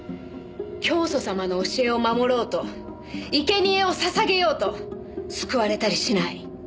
教祖様の教えを守ろうといけにえを捧げようと救われたりしない。